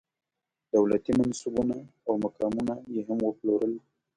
دولتي منصبونه او مقامونه یې هم وپلورل.